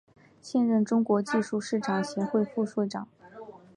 现任中国技术市场协会副会长。